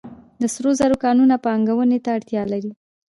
د سرو زرو کانونه پانګونې ته اړتیا لري